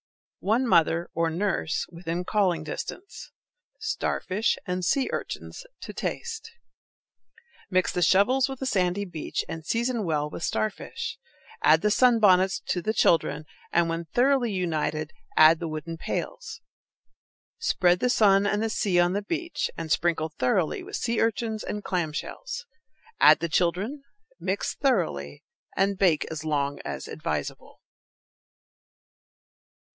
One mother, or nurse, within calling distance. Starfish and sea urchins to taste. Mix the shovels with the sandy beach, and season well with starfish. Add the sunbonnets to the children, and, when thoroughly united, add the wooden pails. Spread the sun and the sea on the beach, and sprinkle thoroughly with sea urchins and clam shells. Add the children, mix thoroughly, and bake as long as advisable.